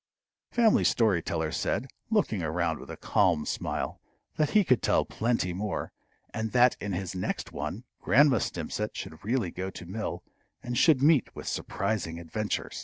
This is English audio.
Family Story Teller said, looking around with a calm smile, that he could tell plenty more, and that in his next one Grandma Stimpcett should really go to mill, and should meet with surprising adventures.